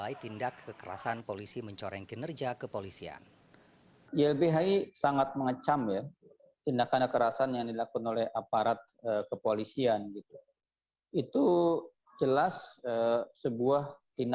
itu secara internal nanti disampaikan